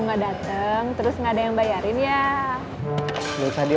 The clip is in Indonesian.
nggak dateng terus nggak ada yang bayarin ya bisa diomongin atuh lah